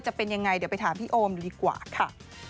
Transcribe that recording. จะเป็นยังไงเดี๋ยวไปถามพี่โอมดูดีกว่าค่ะ